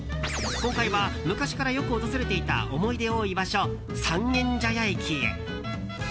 今回は昔からよく訪れていた思い出多い場所、三軒茶屋駅へ。